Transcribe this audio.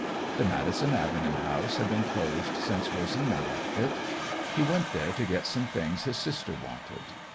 The Madison Avenue house had been closed since Rosina left it. He went there to get some things his sister wanted.